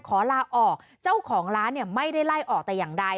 ขอลาออกเจ้าของร้านเนี่ยไม่ได้ไล่ออกแต่อย่างใด